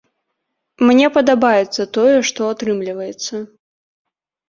Мне падабаецца тое, што атрымліваецца.